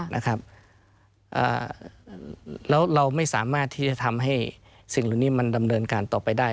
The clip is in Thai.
แล้วเราไม่สามารถที่จะทำให้สิ่งเหล่านี้มันดำเนินการต่อไปได้